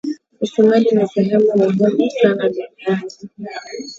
isimila ni sehemu muhimu sana duniani